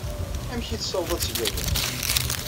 Amek ay tessaweḍ ad teg aya?